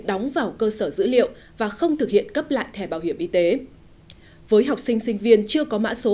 đóng vào cơ sở dữ liệu và không thực hiện cấp lại thẻ bảo hiểm y tế với học sinh sinh viên chưa có mã số